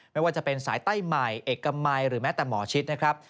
ไม่ว่าจะเป็นสายใต้ใหม่เอกมัยหรือแม้แต่หมอชิดนะครับ